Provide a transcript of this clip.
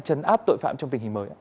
chấn áp tội phạm trong tình hình mới